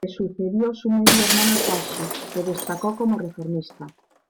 Le sucedió su medio hermano Tashi, que destacó como reformista.